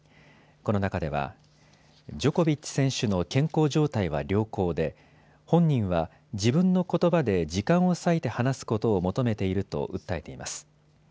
この中では、ジョコビッチ選手の健康状態は良好で本人は自分のことばで時間を割いて話すことを求めていると訴えています。